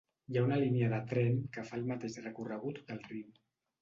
Hi ha una línia de tren que fa el mateix recorregut que el riu.